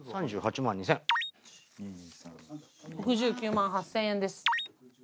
６９万８，０００円です。